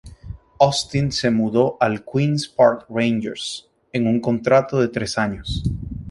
Austin se mudó al Queens Park Rangers, en un contrato de tres años.